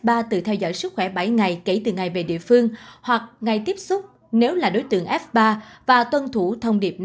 ba từ theo dõi sức khỏe bảy ngày kể từ ngày về địa phương hoặc ngày tiếp xúc nếu là đối tượng f ba và tuân thủ thông điệp năm